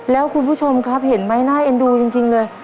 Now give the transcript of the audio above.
แล้วคุณผู้ชมครับเห็นไหมน่าเอ็นดูจริงเลย